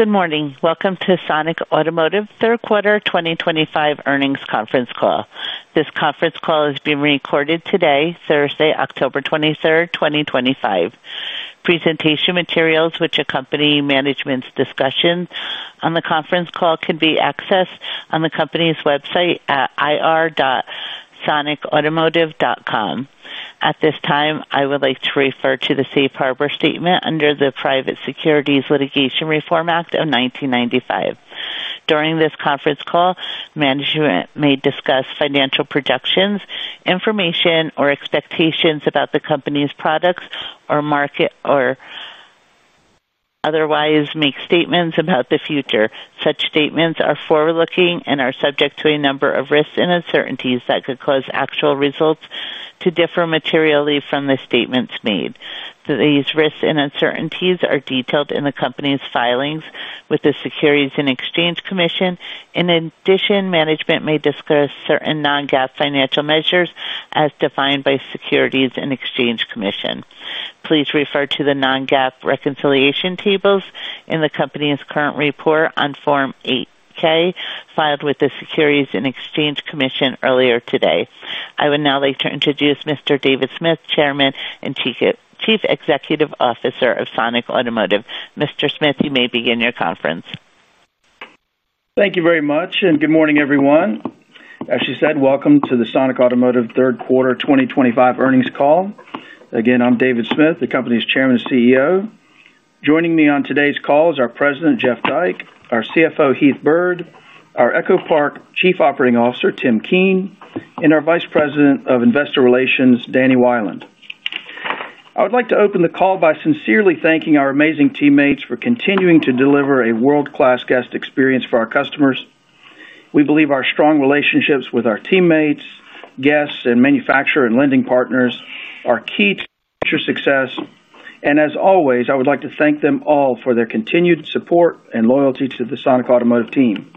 Good morning. Welcome to Sonic Automotive Third Quarter 2025 Earnings Conference Call. This conference call is being recorded today, Thursday, October 23, 2025. Presentation materials which accompany management's discussion on the conference call can be accessed on the company's website at ir.sonicautomotive.com. At this time, I would like to refer to the Safe Harbor Statement under the Private Securities Litigation Reform Act of 1995. During this conference call, management may discuss financial projections, information, or expectations about the company's products or market, or otherwise make statements about the future. Such statements are forward-looking and are subject to a number of risks and uncertainties that could cause actual results to differ materially from the statements made. These risks and uncertainties are detailed in the company's filings with the Securities and Exchange Commission. In addition, management may discuss certain non-GAAP financial measures as defined by the Securities and Exchange Commission. Please refer to the non-GAAP reconciliation tables in the company's current report on Form 8-K filed with the Securities and Exchange Commission earlier today. I would now like to introduce Mr. David Smith, Chairman and Chief Executive Officer of Sonic Automotive. Mr. Smith, you may begin your conference. Thank you very much, and good morning, everyone. As she said, welcome to the Sonic Automotive Third Quarter 2025 Earnings Call. Again, I'm David Smith, the company's Chairman and CEO. Joining me on today's call is our President, Jeff Dyke, our CFO, Heath Byrd, our EchoPark Chief Operating Officer, Tim Keane, and our Vice President of Investor Relations, Danny Wieland. I would like to open the call by sincerely thanking our amazing teammates for continuing to deliver a world-class guest experience for our customers. We believe our strong relationships with our teammates, guests, and manufacturer and lending partners are key to our future success. I would like to thank them all for their continued support and loyalty to the Sonic Automotive team.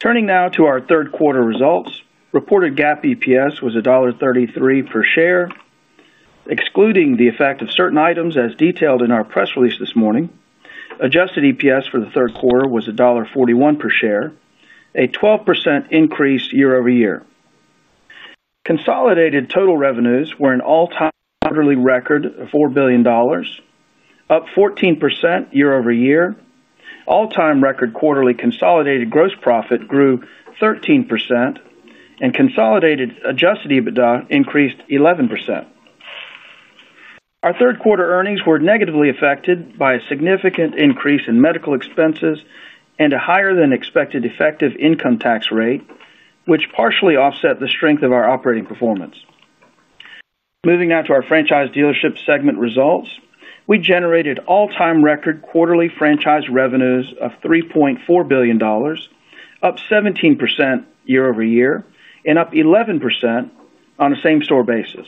Turning now to our third quarter results, reported GAAP EPS was $1.33 per share, excluding the effect of certain items as detailed in our press release this morning. Adjusted EPS for the third quarter was $1.41 per share, a 12% increase year over year. Consolidated total revenues were an all-time quarterly record of $4 billion, up 14% year over year. All-time record quarterly consolidated gross profit grew 13%, and consolidated adjusted EBITDA increased 11%. Our third quarter earnings were negatively affected by a significant increase in medical expenses and a higher than expected effective income tax rate, which partially offset the strength of our operating performance. Moving now to our franchise dealership segment results, we generated all-time record quarterly franchise revenues of $3.4 billion, up 17% year over year and up 11% on a same-store basis.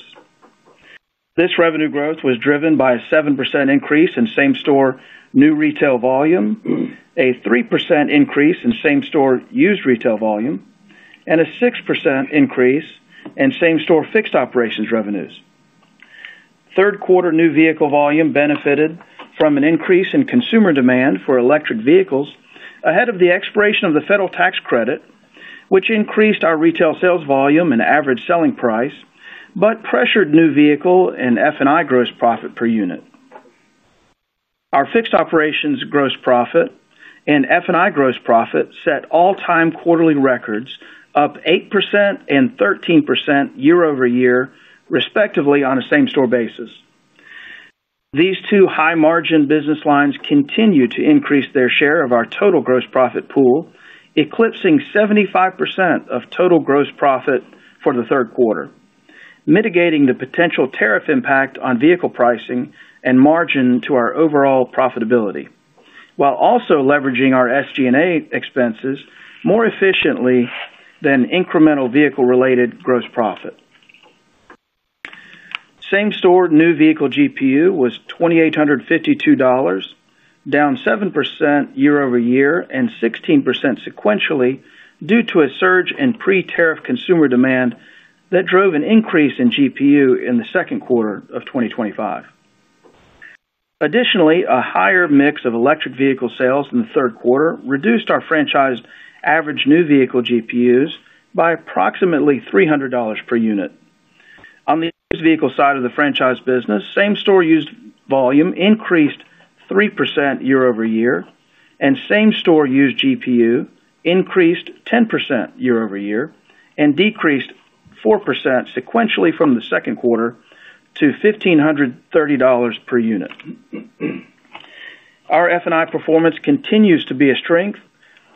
This revenue growth was driven by a 7% increase in same-store new retail volume, a 3% increase in same-store used retail volume, and a 6% increase in same-store fixed operations revenues. Third quarter new vehicle volume benefited from an increase in consumer demand for electric vehicles ahead of the expiration of the federal tax credit, which increased our retail sales volume and average selling price, but pressured new vehicle and F&I gross profit per unit. Our fixed operations gross profit and F&I gross profit set all-time quarterly records, up 8% and 13% year over year, respectively, on a same-store basis. These two high-margin business lines continue to increase their share of our total gross profit pool, eclipsing 75% of total gross profit for the third quarter, mitigating the potential tariff impact on vehicle pricing and margin to our overall profitability, while also leveraging our SG&A expenses more efficiently than incremental vehicle-related gross profit. Same-store new vehicle GPU was $2,852, down 7% year over year and 16% sequentially due to a surge in pre-tariff consumer demand that drove an increase in GPU in the second quarter of 2025. Additionally, a higher mix of electric vehicle sales in the third quarter reduced our franchised average new vehicle GPUs by approximately $300 per unit. On the used vehicle side of the franchise business, same-store used volume increased 3% year over year, and same-store used GPU increased 10% year over year and decreased 4% sequentially from the second quarter to $1,530 per unit. Our F&I performance continues to be a strength,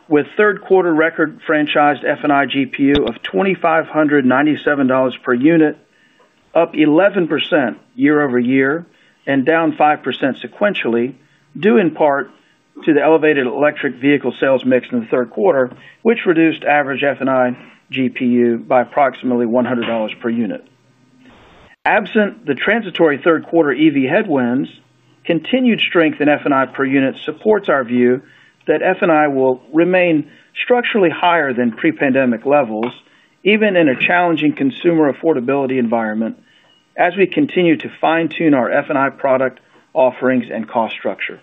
with third quarter record franchised F&I GPU of $2,597 per unit, up 11% year over year and down 5% sequentially, due in part to the elevated electric vehicle sales mix in the third quarter, which reduced average F&I GPU by approximately $100 per unit. Absent the transitory third quarter EV headwinds, continued strength in F&I per unit supports our view that F&I will remain structurally higher than pre-pandemic levels, even in a challenging consumer affordability environment, as we continue to fine-tune our F&I product offerings and cost structure.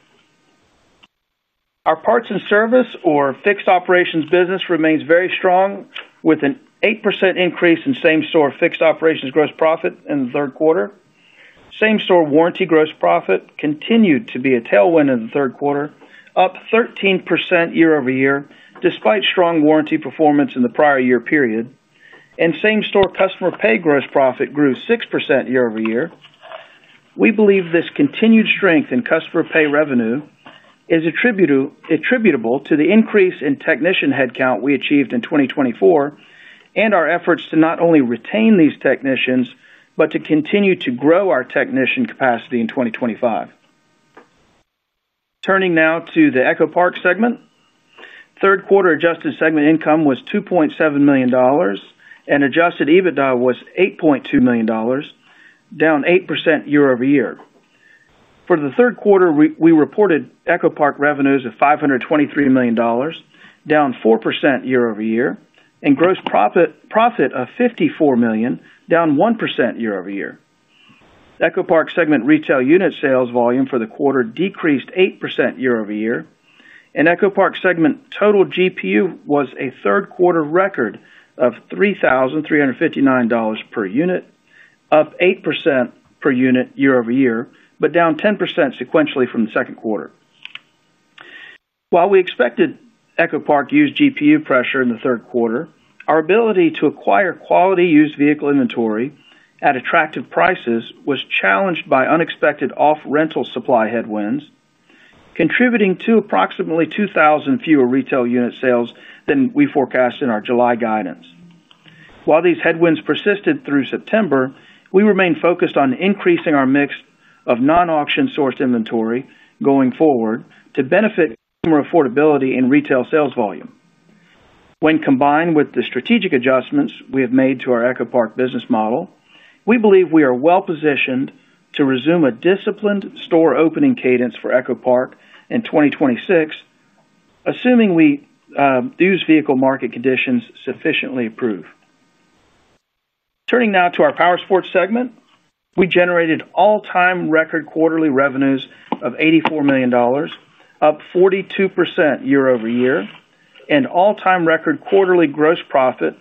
Our parts and service or fixed operations business remains very strong, with an 8% increase in same-store fixed operations gross profit in the third quarter. Same-store warranty gross profit continued to be a tailwind in the third quarter, up 13% year over year, despite strong warranty performance in the prior year period. Same-store customer pay gross profit grew 6% year over year. We believe this continued strength in customer pay revenue is attributable to the increase in technician headcount we achieved in 2024 and our efforts to not only retain these technicians but to continue to grow our technician capacity in 2025. Turning now to the EchoPark segment, third quarter adjusted segment income was $2.7 million, and adjusted EBITDA was $8.2 million, down 8% year over year. For the third quarter, we reported EchoPark revenues of $523 million, down 4% year over year, and gross profit of $54 million, down 1% year over year. EchoPark segment retail unit sales volume for the quarter decreased 8% year over year, and EchoPark segment total GPU was a third quarter record of $3,359 per unit, up 8% per unit year over year, but down 10% sequentially from the second quarter. While we expected EchoPark used GPU pressure in the third quarter, our ability to acquire quality used vehicle inventory at attractive prices was challenged by unexpected off-rental supply headwinds, contributing to approximately 2,000 fewer retail unit sales than we forecast in our July guidance. While these headwinds persisted through September, we remain focused on increasing our mix of non-auction sourced inventory going forward to benefit consumer affordability in retail sales volume. When combined with the strategic adjustments we have made to our EchoPark business model, we believe we are well-positioned to resume a disciplined store opening cadence for EchoPark in 2026, assuming used vehicle market conditions sufficiently improve. Turning now to our Power Sports segment, we generated all-time record quarterly revenues of $84 million, up 42% year over year, and all-time record quarterly gross profit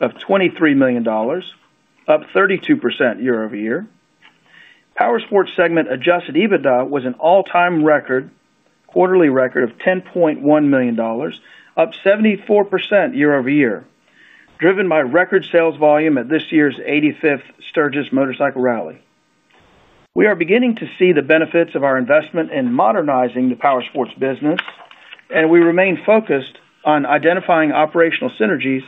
of $23 million, up 32% year over year. Power Sports segment adjusted EBITDA was an all-time record quarterly record of $10.1 million, up 74% year over year, driven by record sales volume at this year's 85th Sturgis Motorcycle Rally. We are beginning to see the benefits of our investment in modernizing the Power Sports business, and we remain focused on identifying operational synergies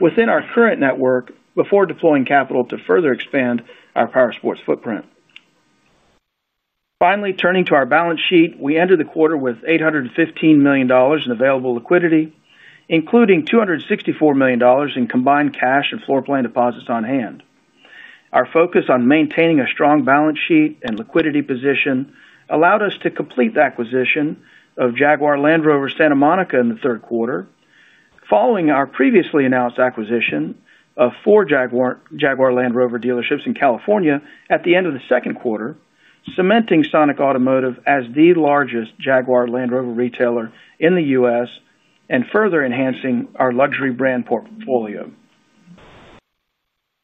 within our current network before deploying capital to further expand our Power Sports footprint. Finally, turning to our balance sheet, we entered the quarter with $815 million in available liquidity, including $264 million in combined cash and floor plan deposits on hand. Our focus on maintaining a strong balance sheet and liquidity position allowed us to complete the acquisition of Jaguar Land Rover Santa Monica in the third quarter, following our previously announced acquisition of four Jaguar Land Rover dealerships in California at the end of the second quarter, cementing Sonic Automotive as the largest Jaguar Land Rover retailer in the U.S. and further enhancing our luxury brand portfolio.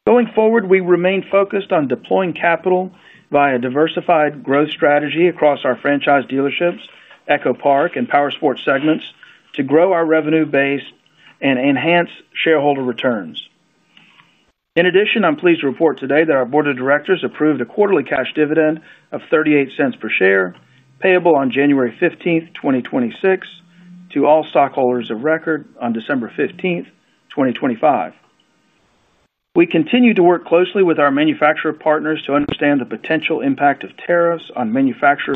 Going forward, we remain focused on deploying capital via a diversified growth strategy across our franchise dealerships, EchoPark, and Power Sports segments to grow our revenue base and enhance shareholder returns. In addition, I'm pleased to report today that our Board of Directors approved a quarterly cash dividend of $0.38 per share, payable on January 15, 2026, to all stockholders of record on December 15, 2025. We continue to work closely with our manufacturer partners to understand the potential impact of tariffs on manufacturer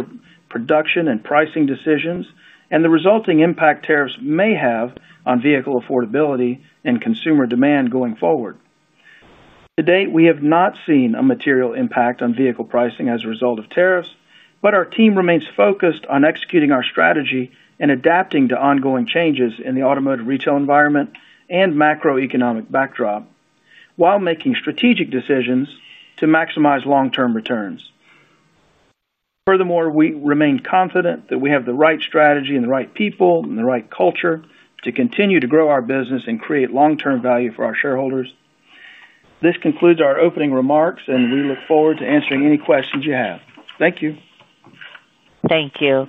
production and pricing decisions and the resulting impact tariffs may have on vehicle affordability and consumer demand going forward. To date, we have not seen a material impact on vehicle pricing as a result of tariffs, but our team remains focused on executing our strategy and adapting to ongoing changes in the automotive retail environment and macroeconomic backdrop while making strategic decisions to maximize long-term returns. Furthermore, we remain confident that we have the right strategy and the right people and the right culture to continue to grow our business and create long-term value for our shareholders. This concludes our opening remarks, and we look forward to answering any questions you have. Thank you. Thank you.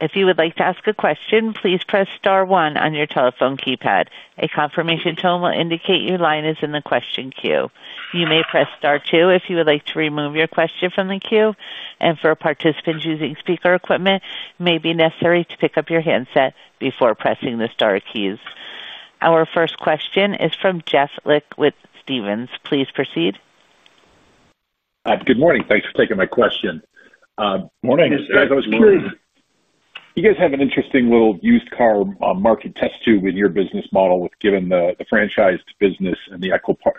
If you would like to ask a question, please press star one on your telephone keypad. A confirmation tone will indicate your line is in the question queue. You may press star two if you would like to remove your question from the queue, and for participants using speaker equipment, it may be necessary to pick up your handset before pressing the star keys. Our first question is from Jeff Lick with Stephens Inc. Please proceed. Good morning. Thanks for taking my question. Morning. Guys, I was curious. You guys have an interesting little used car market test tube in your business model, given the franchised business and the EchoPark.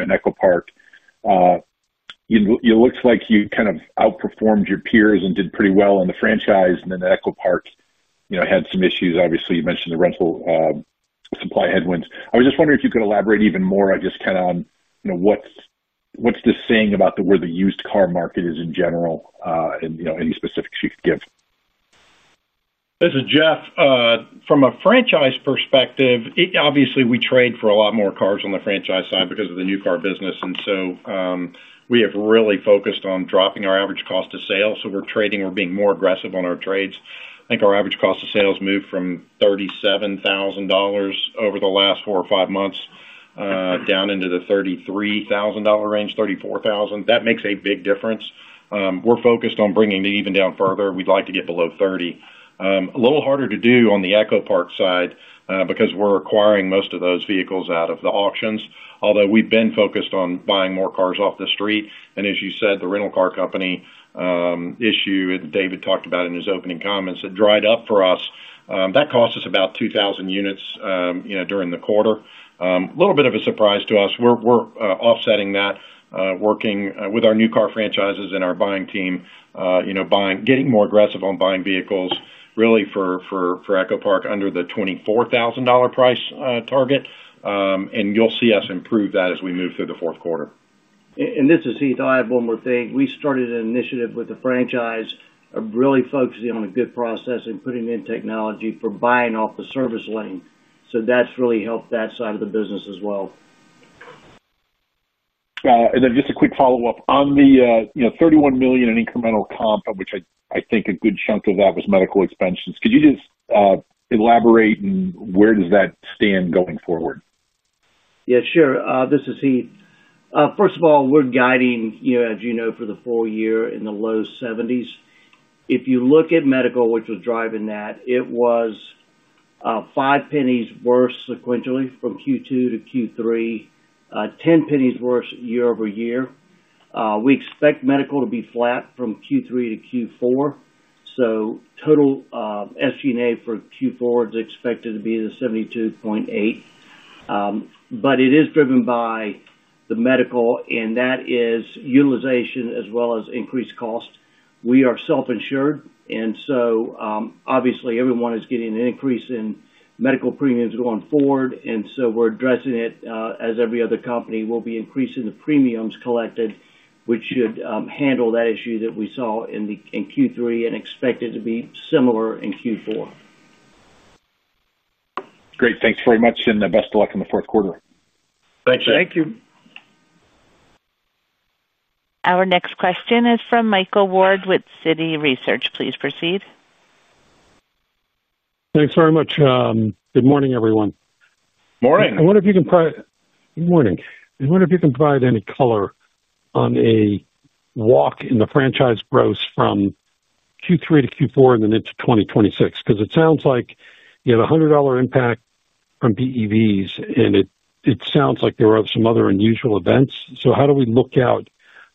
It looks like you kind of outperformed your peers and did pretty well in the franchise, and then the EchoPark had some issues. Obviously, you mentioned the rental supply headwinds. I was just wondering if you could elaborate even more on just kind of on what's the saying about where the used car market is in general, and any specifics you could give. This is Jeff. From a franchise perspective, obviously, we trade for a lot more cars on the franchise side because of the new car business. We have really focused on dropping our average cost of sale. We are trading, we are being more aggressive on our trades. I think our average cost of sales moved from $37,000 over the last four or five months, down into the $33,000 range, $34,000. That makes a big difference. We are focused on bringing it even down further. We would like to get below $30,000. It is a little harder to do on the EchoPark side, because we are acquiring most of those vehicles out of the auctions, although we have been focused on buying more cars off the street. As you said, the rental car company issue that David talked about in his opening comments, it dried up for us. That cost us about 2,000 units during the quarter. It was a little bit of a surprise to us. We are offsetting that, working with our new car franchises and our buying team, getting more aggressive on buying vehicles for EchoPark under the $24,000 price target. You will see us improve that as we move through the fourth quarter. This is Heath. I have one more thing. We started an initiative with the franchise of really focusing on a good process and putting in technology for buying off the service lane. That has really helped that side of the business as well. Just a quick follow-up on the $31 million in incremental comp, which I think a good chunk of that was medical expenses. Could you elaborate and where does that stand going forward? Yeah, sure. This is Heath. First of all, we're guiding, you know, as you know, for the full year in the low 70s. If you look at medical, which was driving that, it was $0.05 worse sequentially from Q2 to Q3, $0.10 worse year over year. We expect medical to be flat from Q3 to Q4. Total SG&A for Q4 is expected to be the $72.8, but it is driven by the medical, and that is utilization as well as increased cost. We are self-insured. Obviously, everyone is getting an increase in medical premiums going forward. We're addressing it, as every other company will be increasing the premiums collected, which should handle that issue that we saw in Q3 and expect it to be similar in Q4. Great. Thanks very much, and the best of luck in the fourth quarter. Thank you. Thank you. Our next question is from Michael Ward with Citi Research. Please proceed. Thanks very much. Good morning, everyone. Morning. Good morning. I wonder if you can provide any color on a walk in the franchise growth from Q3 to Q4 and then into 2026 because it sounds like you have a $100 impact from BEVs, and it sounds like there are some other unusual events. How do we look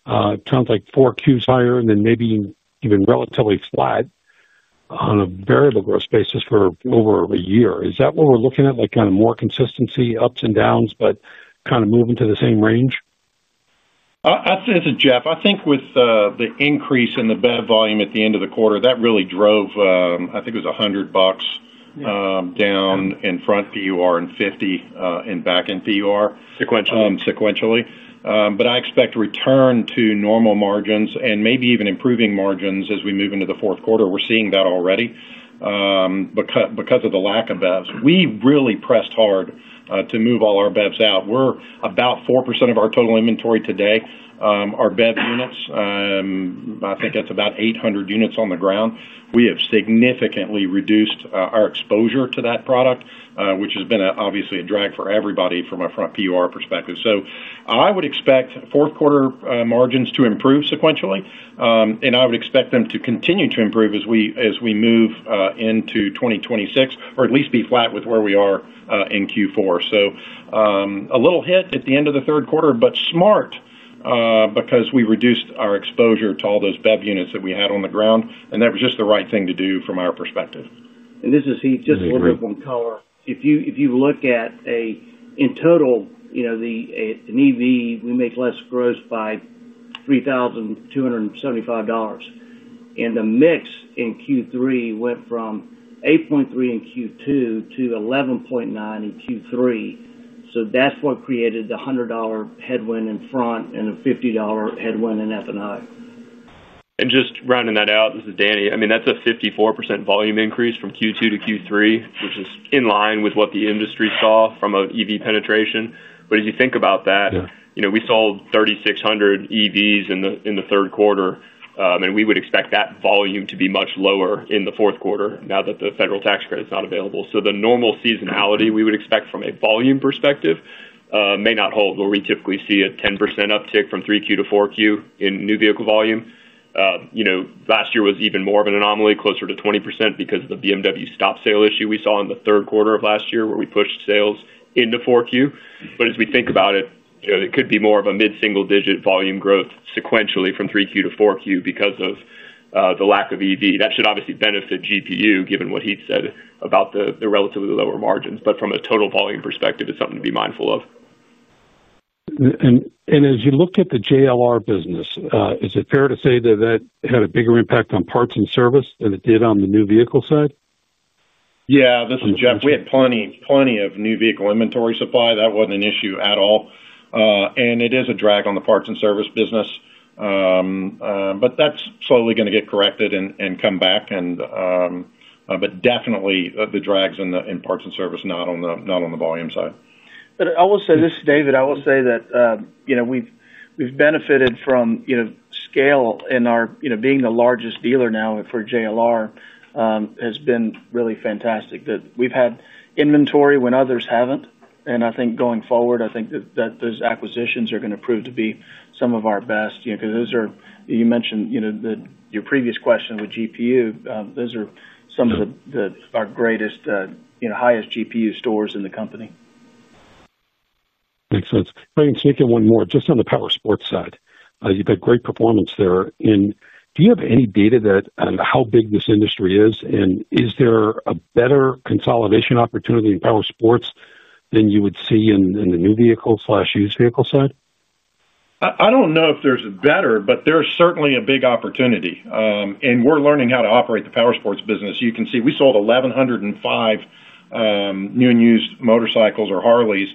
out? It sounds like four Qs higher and then maybe even relatively flat on a variable growth basis for over a year. Is that what we're looking at, like kind of more consistency, ups and downs, but kind of moving to the same range? I'd say this is Jeff. I think with the increase in the bed volume at the end of the quarter, that really drove, I think it was $100 down in front PUR and $50 in back end PUR. Sequentially. Sequentially, I expect return to normal margins and maybe even improving margins as we move into the fourth quarter. We're seeing that already. Because of the lack of beds, we really pressed hard to move all our beds out. We're about 4% of our total inventory today, our bed units. I think that's about 800 units on the ground. We have significantly reduced our exposure to that product, which has been obviously a drag for everybody from a front PUR perspective. I would expect fourth quarter margins to improve sequentially, and I would expect them to continue to improve as we move into 2026 or at least be flat with where we are in Q4. A little hit at the end of the third quarter, but smart, because we reduced our exposure to all those bed units that we had on the ground, and that was just the right thing to do from our perspective. This is Heath, just a little bit of one color. If you look at in total, you know, an EV, we make less gross by $3,275. The mix in Q3 went from 8.3% in Q2 to 11.9% in Q3. That's what created the $100 headwind in front and the $50 headwind in F&I. Just rounding that out, this is Danny. I mean, that's a 54% volume increase from Q2 to Q3, which is in line with what the industry saw from an EV penetration. As you think about that, you know, we sold 3,600 EVs in the third quarter, and we would expect that volume to be much lower in the fourth quarter now that the federal tax credit is not available. The normal seasonality we would expect from a volume perspective may not hold. What we typically see is a 10% uptick from 3Q to 4Q in new vehicle volume. Last year was even more of an anomaly, closer to 20% because of the BMW stop sale issue we saw in the third quarter of last year where we pushed sales into 4Q. As we think about it, you know, it could be more of a mid-single-digit volume growth sequentially from 3Q to 4Q because of the lack of EV. That should obviously benefit GPU, given what Heath said about the relatively lower margins. From a total volume perspective, it's something to be mindful of. As you look at the Jaguar Land Rover business, is it fair to say that that had a bigger impact on parts and service than it did on the new vehicle side? Yeah. This is Jeff. We had plenty of new vehicle inventory supply. That wasn't an issue at all. It is a drag on the parts and service business, but that's slowly going to get corrected and come back. The drag's in parts and service, not on the volume side. I will say this, David. We've benefited from scale in our being the largest dealer now for Jaguar Land Rover, which has been really fantastic. We've had inventory when others haven't. I think going forward, those acquisitions are going to prove to be some of our best, because those are, you mentioned in your previous question with GPU, some of our greatest, highest GPU stores in the company. Makes sense. I can take in one more just on the Power Sports side. You've had great performance there. Do you have any data on how big this industry is? Is there a better consolidation opportunity in Power Sports than you would see in the new vehicle/used vehicle side? I don't know if there's a better, but there's certainly a big opportunity. We're learning how to operate the Power Sports business. You can see we sold 1,105 new and used motorcycles or Harleys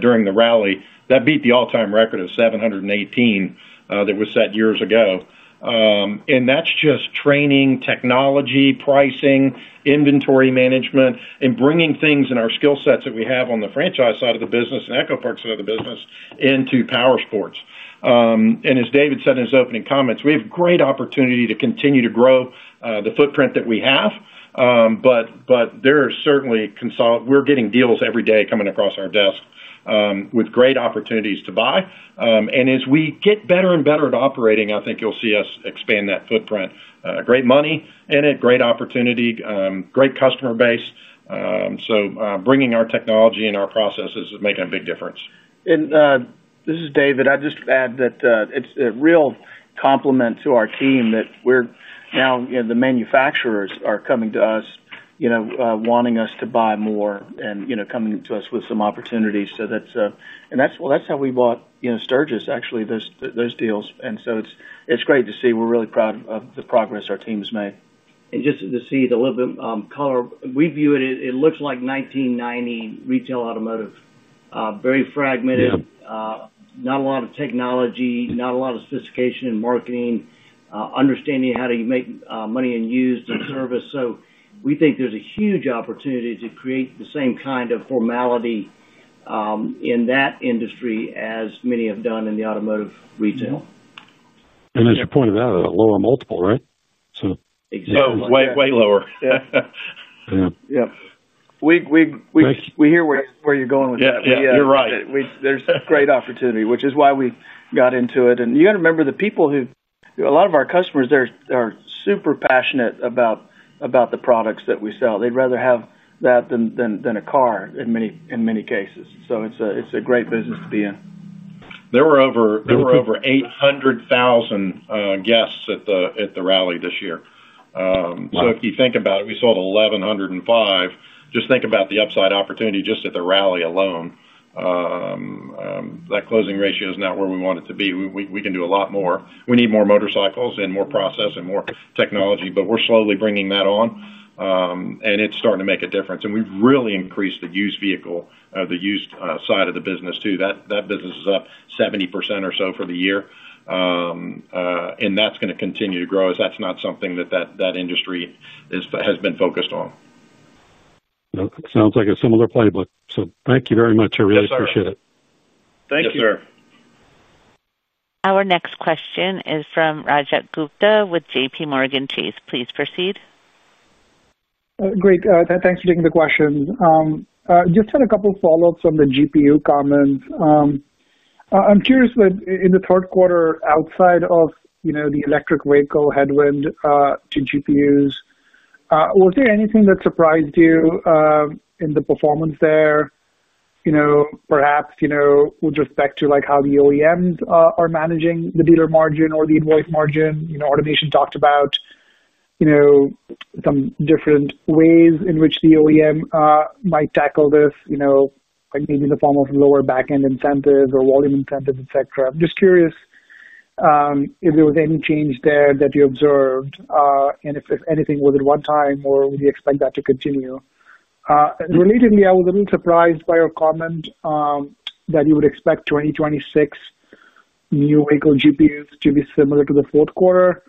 during the rally. That beat the all-time record of 718 that was set years ago. That's just training, technology, pricing, inventory management, and bringing things in our skill sets that we have on the franchise side of the business and EchoPark side of the business into Power Sports. As David said in his opening comments, we have great opportunity to continue to grow the footprint that we have. There are certainly consolidation. We're getting deals every day coming across our desk with great opportunities to buy. As we get better and better at operating, I think you'll see us expand that footprint. Great money in it, great opportunity, great customer base. Bringing our technology and our processes is making a big difference. This is David. I'd just add that it's a real compliment to our team that we're now, you know, the manufacturers are coming to us, you know, wanting us to buy more and, you know, coming to us with some opportunities. That's how we bought, you know, Sturgis, actually, those deals. It's great to see. We're really proud of the progress our team has made. To see a little bit of color, we view it, it looks like 1990 retail automotive, very fragmented, not a lot of technology, not a lot of sophistication in marketing, understanding how to make money and use the service. We think there's a huge opportunity to create the same kind of formality in that industry as many have done in the automotive retail. As you pointed out, a lower multiple, right? Exactly. Way lower, yeah. Yeah. Yep, we hear where you're going with this. Yeah, you're right. There's great opportunity, which is why we got into it. You got to remember the people who, a lot of our customers there, are super passionate about the products that we sell. They'd rather have that than a car in many cases. It's a great business to be in. There were over 800,000 guests at the rally this year. If you think about it, we sold 1,105. Just think about the upside opportunity just at the rally alone. That closing ratio is not where we want it to be. We can do a lot more. We need more motorcycles and more process and more technology, but we're slowly bringing that on. It's starting to make a difference. We've really increased the used vehicle, the used side of the business too. That business is up 70% or so for the year. That's going to continue to grow as that's not something that that industry has been focused on. It sounds like a similar playbook. Thank you very much. I really appreciate it. Thank you. Yes, sir. Our next question is from Rajat Gupta with JPMorgan. Please proceed. Great. Thanks for taking the questions. Just had a couple of follow-ups on the GPU comments. I'm curious that in the third quarter, outside of, you know, the electric vehicle headwind to GPUs, was there anything that surprised you in the performance there? You know, perhaps, you know, with respect to like how the OEMs are managing the dealer margin or the invoice margin? Automation talked about, you know, some different ways in which the OEM might tackle this, you know, like maybe in the form of lower backend incentives or volume incentives, etc. I'm just curious if there was any change there that you observed and if anything was at one time or would you expect that to continue? Relatedly, I was a little surprised by your comment that you would expect 2026 new vehicle GPUs to be similar to the fourth quarter.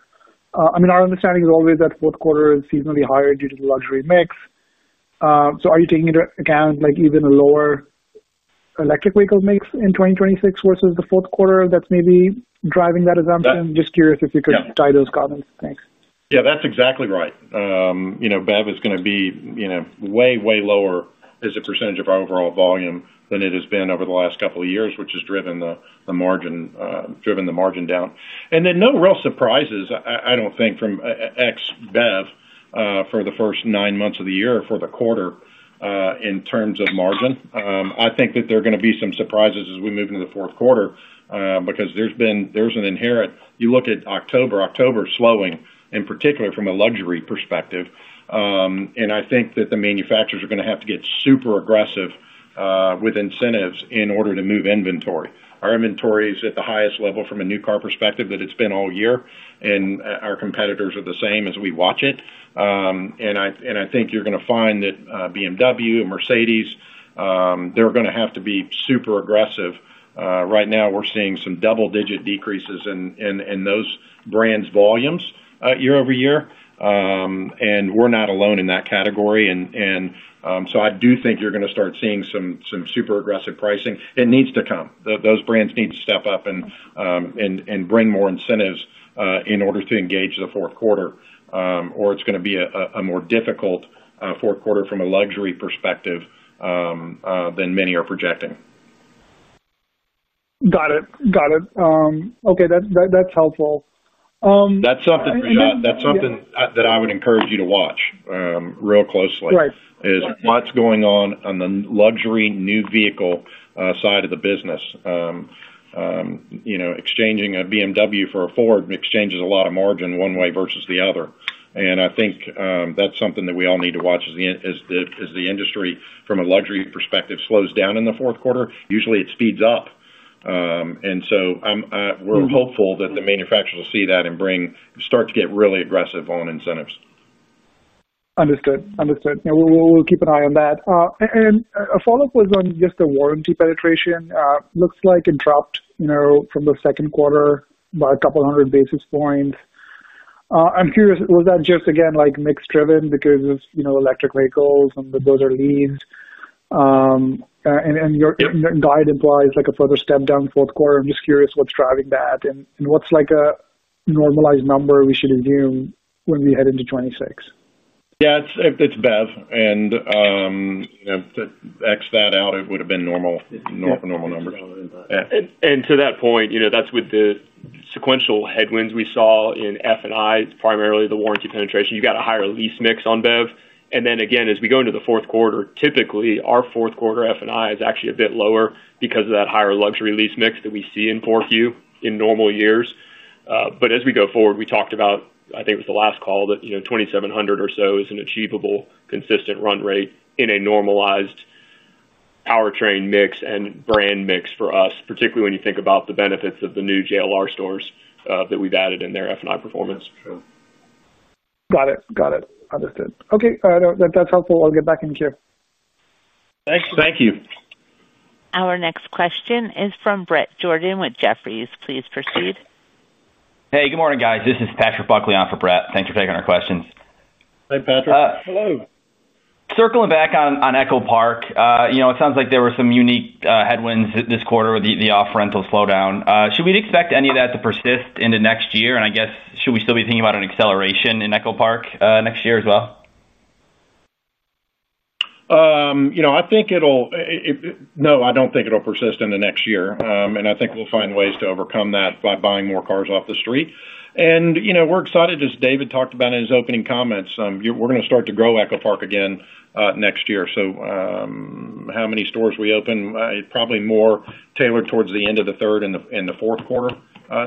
I mean, our understanding is always that fourth quarter is seasonally higher due to the luxury mix. Are you taking into account like even a lower electric vehicle mix in 2026 versus the fourth quarter that's maybe driving that assumption? Just curious if you could tie those comments. Thanks. Yeah, that's exactly right. You know, BEV is going to be, you know, way, way lower as a % of our overall volume than it has been over the last couple of years, which has driven the margin down. No real surprises, I don't think, from ex-BEV for the first nine months of the year or for the quarter in terms of margin. I think that there are going to be some surprises as we move into the fourth quarter because there's an inherent, you look at October, October slowing in particular from a luxury perspective. I think that the manufacturers are going to have to get super aggressive with incentives in order to move inventory. Our inventory is at the highest level from a new car perspective that it's been all year, and our competitors are the same as we watch it. I think you're going to find that BMW and Mercedes, they're going to have to be super aggressive. Right now, we're seeing some double-digit decreases in those brands' volumes year over year. We're not alone in that category. I do think you're going to start seeing some super aggressive pricing. It needs to come. Those brands need to step up and bring more incentives in order to engage the fourth quarter, or it's going to be a more difficult fourth quarter from a luxury perspective than many are projecting. Got it. Okay, that's helpful. That's something that I would encourage you to watch real closely, is what's going on on the luxury new vehicle side of the business. Exchanging a BMW for a Ford exchanges a lot of margin one way versus the other. I think that's something that we all need to watch as the industry, from a luxury perspective, slows down in the fourth quarter. Usually, it speeds up. We're hopeful that the manufacturers will see that and start to get really aggressive on incentives. Understood. Yeah, we'll keep an eye on that. A follow-up was on just the warranty penetration. It looks like it dropped from the second quarter by a couple hundred basis points. I'm curious, was that just, again, like mix driven because of electric vehicles and that those are leased? Your guide implies like a further step down in the fourth quarter. I'm just curious what's driving that and what's like a normalized number we should assume when we head into 2026? Yeah, it's BEV. To X that out, it would have been normal, normal numbers. To that point, that's with the sequential headwinds we saw in F&I, primarily the warranty penetration. You've got a higher lease mix on BEV. As we go into the fourth quarter, typically, our fourth quarter F&I is actually a bit lower because of that higher luxury lease mix that we see in 4Q in normal years. As we go forward, we talked about, I think it was the last call, that $2,700 or so is an achievable consistent run rate in a normalized powertrain mix and brand mix for us, particularly when you think about the benefits of the new Jaguar Land Rover stores that we've added in their F&I performance. Got it. Understood. Okay, that's helpful. I'll get back in here. Thank you. Thank you. Our next question is from Brett Jordan with Jefferies. Please proceed. Hey, good morning, guys. This is Patrick Buckley on for Brett. Thanks for taking our questions. Hi, Patrick. Hi. Hello. Circling back on EchoPark, it sounds like there were some unique headwinds this quarter with the off-rental slowdown. Should we expect any of that to persist into next year? Should we still be thinking about an acceleration in EchoPark next year as well? I don't think it'll persist into next year. I think we'll find ways to overcome that by buying more cars off the street. We're excited, as David talked about in his opening comments. We're going to start to grow EchoPark again next year. How many stores we open is probably more tailored towards the end of the third and the fourth quarter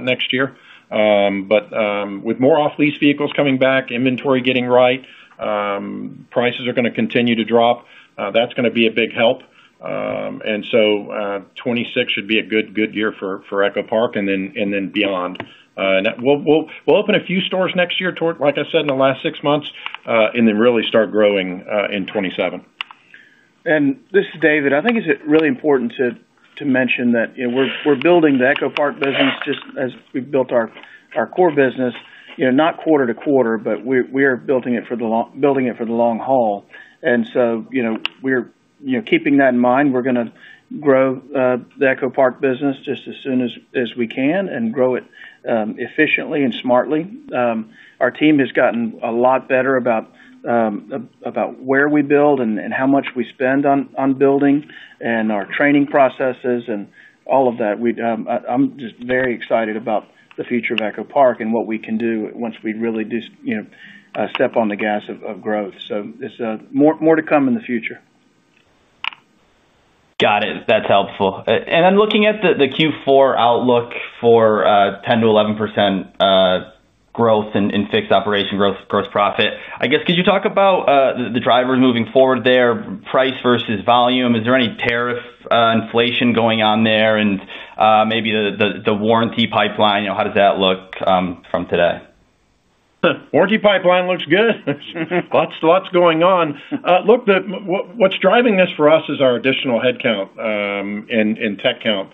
next year. With more off-lease vehicles coming back, inventory getting right, prices are going to continue to drop. That's going to be a big help. '26 should be a good, good year for EchoPark and then beyond. We'll open a few stores next year, like I said, in the last six months, and then really start growing in 2027. I think it's really important to mention that we're building the EchoPark business just as we've built our core business, not quarter to quarter, but we are building it for the long haul. We're keeping that in mind. We're going to grow the EchoPark business just as soon as we can and grow it efficiently and smartly. Our team has gotten a lot better about where we build and how much we spend on building and our training processes and all of that. I'm just very excited about the future of EchoPark and what we can do once we really do step on the gas of growth. There's more to come in the future. Got it. That's helpful. I'm looking at the Q4 outlook for 10% to 11% growth in fixed operations gross profit. I guess, could you talk about the drivers moving forward there, price versus volume? Is there any tariff inflation going on there? Maybe the warranty pipeline, you know, how does that look from today? Warranty pipeline looks good. Lots going on. Look, what's driving this for us is our additional headcount and tech count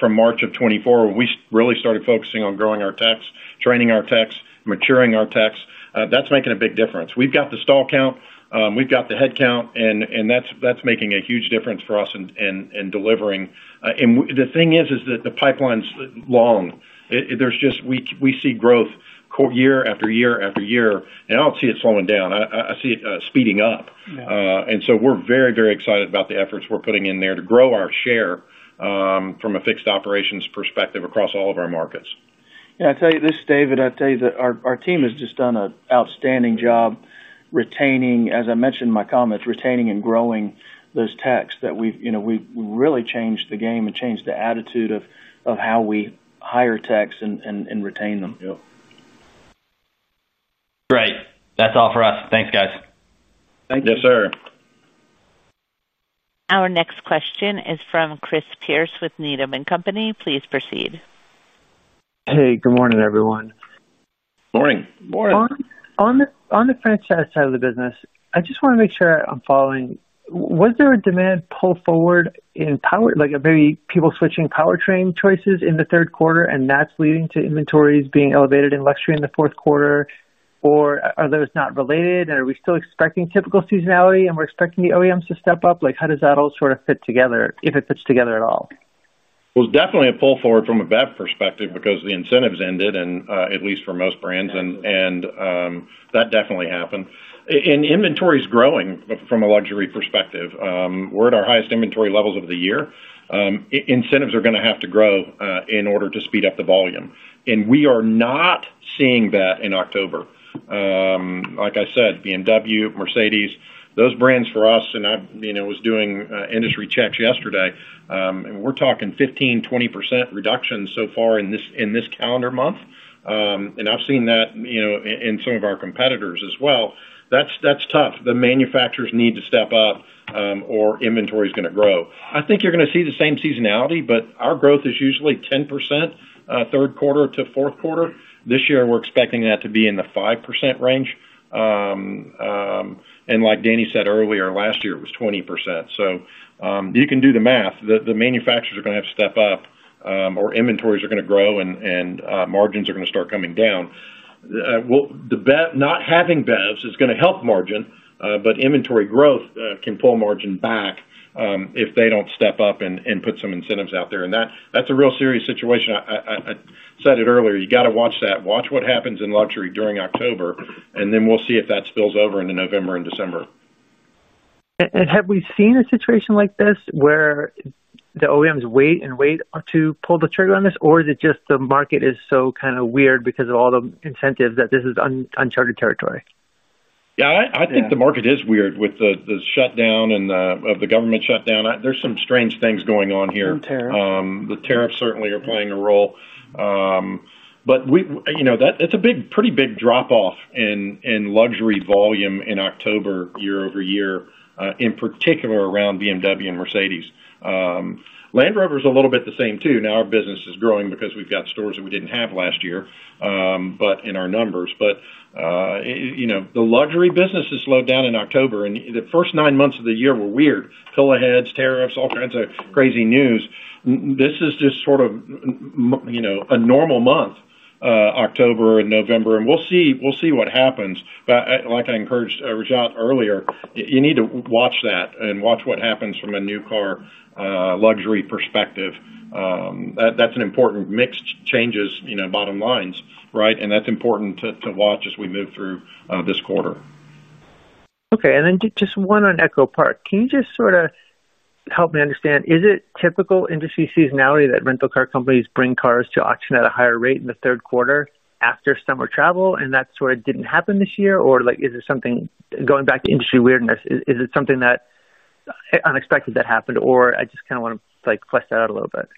from March of 2024, where we really started focusing on growing our techs, training our techs, maturing our techs. That's making a big difference. We've got the stall count, we've got the headcount, and that's making a huge difference for us in delivering. The thing is that the pipeline's long. We see growth year after year after year. I don't see it slowing down. I see it speeding up. We're very, very excited about the efforts we're putting in there to grow our share from a fixed operations perspective across all of our markets. Yeah, I'll tell you this, David. I'll tell you that our team has just done an outstanding job retaining, as I mentioned in my comments, retaining and growing those techs that we've really changed the game and changed the attitude of how we hire techs and retain them. Yeah. Great. That's all for us. Thanks, guys. Thank you. Yes, sir. Our next question is from Chris Pierce with Needham & Company. Please proceed. Hey, good morning, everyone. Good morning. On the franchise side of the business, I just want to make sure I'm following. Was there a demand pull forward in Power Sports, like maybe people switching powertrain choices in the third quarter, and that's leading to inventories being elevated in luxury in the fourth quarter? Are those not related? Are we still expecting typical seasonality and we're expecting the OEMs to step up? How does that all sort of fit together, if it fits together at all? It is definitely a pull forward from a BEP perspective because the incentives ended, at least for most brands, and that definitely happened. Inventory is growing from a luxury perspective. We're at our highest inventory levels of the year. Incentives are going to have to grow in order to speed up the volume. We are not seeing that in October. Like I said, BMW, Mercedes, those brands for us, and I was doing industry checks yesterday, and we're talking 15%, 20% reduction so far in this calendar month. I've seen that in some of our competitors as well. That's tough. The manufacturers need to step up or inventory is going to grow. I think you're going to see the same seasonality, but our growth is usually 10% third quarter to fourth quarter. This year, we're expecting that to be in the 5% range. Like Danny said earlier, last year it was 20%. You can do the math. The manufacturers are going to have to step up or inventories are going to grow and margins are going to start coming down. The not having BEVs is going to help margin, but inventory growth can pull margin back if they don't step up and put some incentives out there. That's a real serious situation. I said it earlier, you got to watch that. Watch what happens in luxury during October, and then we'll see if that spills over into November and December. Have we seen a situation like this where the OEMs wait and wait to pull the trigger on this? Is it just the market is so kind of weird because of all the incentives that this is uncharted territory? Yeah, I think the market is weird with the shutdown and the government shutdown. There are some strange things going on here. Some tariffs. The tariffs certainly are playing a role. That's a pretty big drop-off in luxury volume in October, year over year, in particular around BMW and Mercedes. Land Rover is a little bit the same too. Now our business is growing because we've got stores that we didn't have last year, but in our numbers. The luxury business has slowed down in October. The first nine months of the year were weird. Pillowheads, tariffs, all kinds of crazy news. This is just sort of a normal month, October and November. We'll see what happens. Like I encouraged Rajat earlier, you need to watch that and watch what happens from a new car luxury perspective. That's an important mix changes, you know, bottom lines, right? That's important to watch as we move through this quarter. Okay. Just one on EchoPark. Can you help me understand, is it typical industry seasonality that rental car companies bring cars to auction at a higher rate in the third quarter after summer travel? That sort of didn't happen this year. Is it something going back to industry weirdness, or is it something unexpected that happened? I just want to flesh that out a little bit.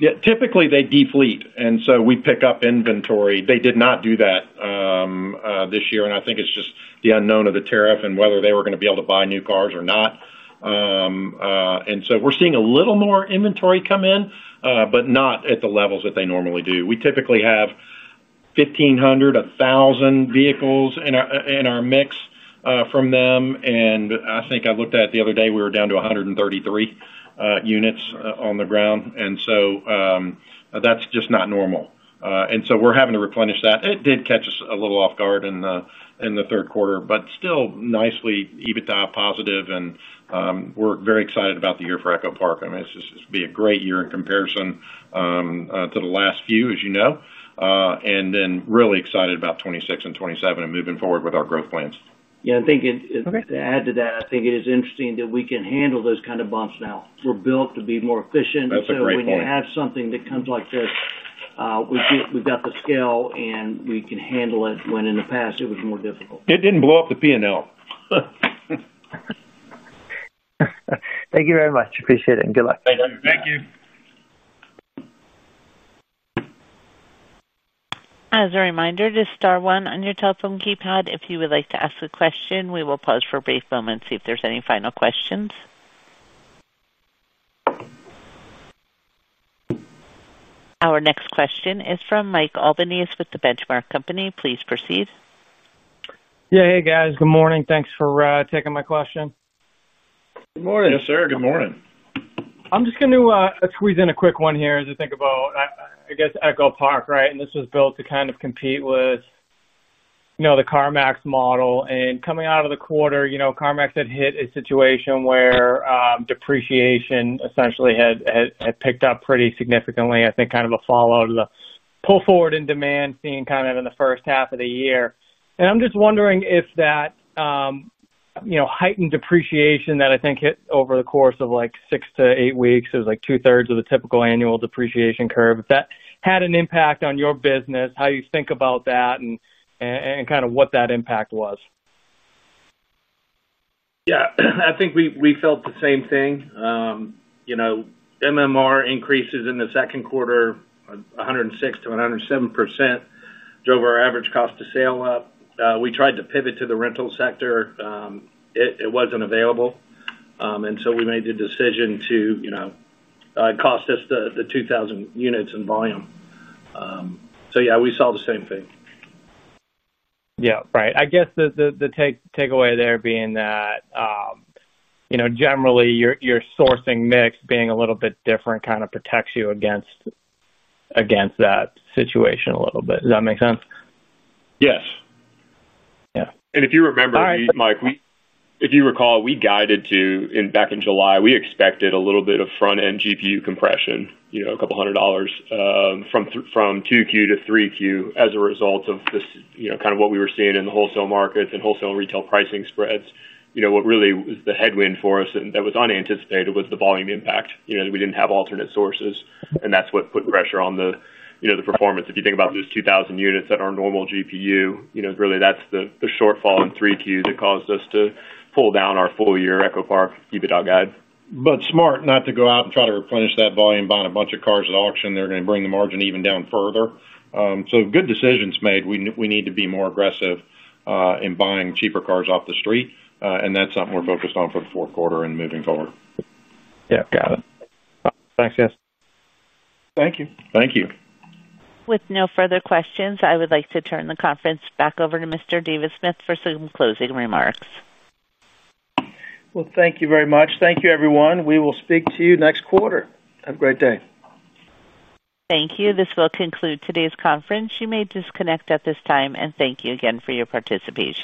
Yeah, typically they defleet, and so we pick up inventory. They did not do that this year. I think it's just the unknown of the tariff and whether they were going to be able to buy new cars or not. We're seeing a little more inventory come in, but not at the levels that they normally do. We typically have 1,500, 1,000 vehicles in our mix from them. I think I looked at it the other day, we were down to 133 units on the ground. That's just not normal, so we're having to replenish that. It did catch us a little off guard in the third quarter, but still nicely EBITDA positive. We're very excited about the year for EchoPark. I mean, it's just going to be a great year in comparison to the last few, as you know. Really excited about 2026 and 2027 and moving forward with our growth plans. I think to add to that, I think it is interesting that we can handle those kind of bumps now. We're built to be more efficient. That's a good point. When you have something that comes like this, we've got the scale and we can handle it. In the past it was more difficult. It didn't blow up the P&L. Thank you very much. Appreciate it and good luck. Thank you. Thank you. As a reminder, just star one on your telephone keypad if you would like to ask a question. We will pause for a brief moment to see if there's any final questions. Our next question is from Mike Albanese with The Benchmark Company. Please proceed. Yeah, hey guys. Good morning. Thanks for taking my question. Good morning. Yes, sir. Good morning. I'm just going to squeeze in a quick one here as I think about, I guess, EchoPark, right? This was built to kind of compete with, you know, the CarMax model. Coming out of the quarter, you know, CarMax had hit a situation where depreciation essentially had picked up pretty significantly. I think kind of a follow-up to the pull forward in demand seen kind of in the first half of the year. I'm just wondering if that heightened depreciation that I think hit over the course of like six to eight weeks, it was like two-thirds of the typical annual depreciation curve, if that had an impact on your business, how you think about that and kind of what that impact was. Yeah, I think we felt the same thing. MMR increases in the second quarter, 106% to 107%, drove our average cost of sale up. We tried to pivot to the rental sector. It wasn't available, and we made the decision to, you know, it cost us the 2,000 units in volume. Yeah, we saw the same thing. Yeah, right. I guess the takeaway there being that, you know, generally your sourcing mix being a little bit different kind of protects you against that situation a little bit. Does that make sense? Yes. Yeah. If you remember, Mike, if you recall, we guided to, back in July, we expected a little bit of front-end GPU compression, you know, a couple hundred dollars from 2Q to 3Q as a result of this, you know, kind of what we were seeing in the wholesale markets and wholesale and retail pricing spreads. What really was the headwind for us and that was unanticipated was the volume impact. We didn't have alternate sources. That is what put pressure on the performance. If you think about those 2,000 units at our normal GPU, really that's the shortfall in 3Q that caused us to pull down our full-year EchoPark EBITDA guide. It was smart not to go out and try to replenish that volume buying a bunch of cars at auction. They're going to bring the margin even down further. Good decisions were made. We need to be more aggressive in buying cheaper cars off the street. That is something we're focused on for the fourth quarter and moving forward. Yeah, got it. Thanks, guys. Thank you. Thank you. With no further questions, I would like to turn the conference back over to Mr. David Smith for some closing remarks. Thank you very much. Thank you, everyone. We will speak to you next quarter. Have a great day. Thank you. This will conclude today's conference. You may disconnect at this time. Thank you again for your participation.